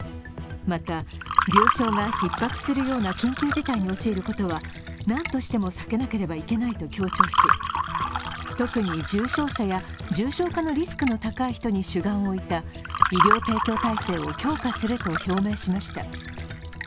また、病床がひっ迫するような緊急事態に陥ることは何としても避けなければいけないと強調し、特に重症者や重症化のリスクの高い人に主眼を置いた医療提供体制を強化すると表明しました。